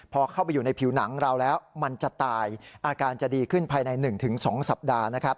พอเข้าไปอยู่ในผิวหนังเราแล้วมันจะตายอาการจะดีขึ้นภายใน๑๒สัปดาห์นะครับ